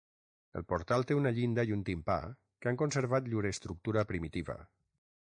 El portal té una llinda i un timpà que han conservat llur estructura primitiva.